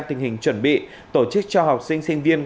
tình hình chuẩn bị tổ chức cho học sinh sinh viên